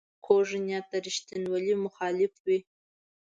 کوږ نیت د ریښتینولۍ مخالف وي